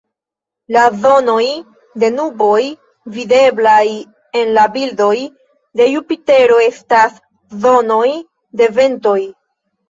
La zonoj de nuboj videblaj en la bildoj de Jupitero estas zonoj de ventoj.